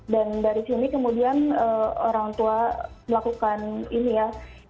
dan dari sini kemudian orang tua melakukan ini ya